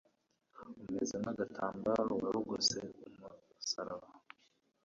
umeze nk'agatambaro, wari ugose umusaraba.